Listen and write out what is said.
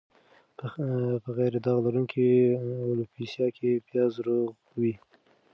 په غیر داغ لرونکې الوپیسیا کې پیاز روغ وي.